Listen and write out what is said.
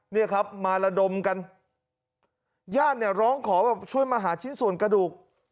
เนี่ยครับมาระดมกันญาติเนี่ยร้องขอแบบช่วยมาหาชิ้นส่วนกระดูก